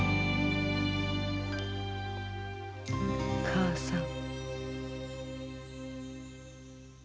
母さん。